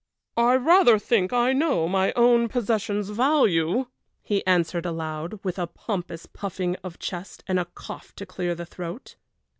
"I rather think I know my own possession's value!" he answered aloud, with a pompous puffing out of chest, and a cough to clear the throat.